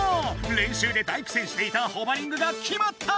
練習で大くせんしていたホバリングがきまった！